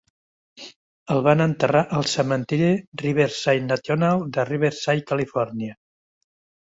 El van enterrar al cementiri Riverside National de Riverside, Califòrnia.